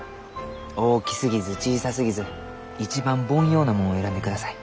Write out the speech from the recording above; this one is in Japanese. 大きすぎず小さすぎず一番凡庸なもんを選んでください。